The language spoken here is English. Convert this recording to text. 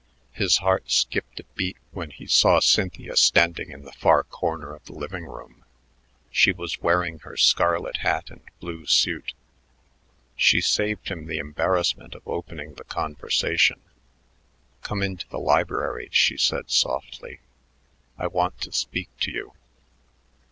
His heart skipped a beat when he saw Cynthia standing in the far corner of the living room. She was wearing her scarlet hat and blue suit. She saved him the embarrassment of opening the conversation. "Come into the library," she said softly. "I want to speak to you."